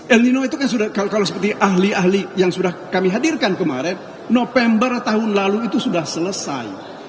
el nino itu kan sudah kalau seperti ahli ahli yang sudah kami hadirkan kemarin november tahun lalu itu sudah selesai